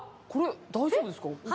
これ大丈夫ですか？